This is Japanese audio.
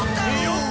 「よっ！